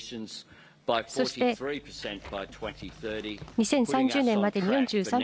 そして２０３０年までに４３％